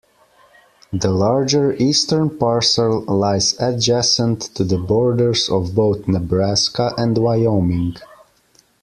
The larger eastern parcel lies adjacent to the borders of both Nebraska and Wyoming.